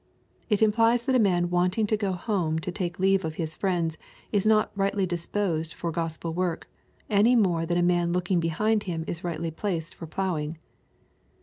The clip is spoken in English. It implies that a man wanting to go home to take leave of his fiiends is not rightly disposed for Gospel work, any more than a man looking behmd him is rightly placed for plough ing.